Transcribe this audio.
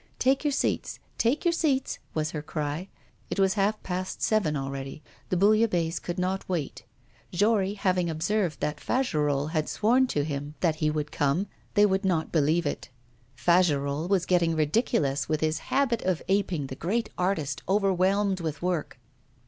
'Take your seats! take your seats!' was her cry. It was half past seven already, the bouillabaisse could not wait. Jory, having observed that Fagerolles had sworn to him that he would come, they would not believe it. Fagerolles was getting ridiculous with his habit of aping the great artist overwhelmed with work!